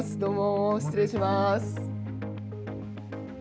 失礼します。